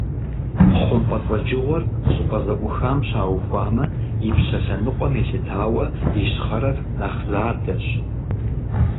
ХъумпӀэцӀэджыгъуэр щӀыпӀэ зэӀухам щаухуамэ, ипщэ лъэныкъуэм елъытауэ ищхъэрэр нэхъ задэщ.